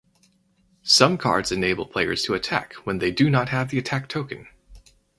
Some cards enable players to attack when they do not have the attack token.